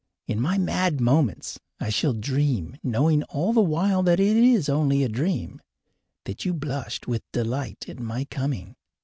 In my mad moments I shall dream, knowing all the while that it is only a dream, that you blushed with delight at my coming.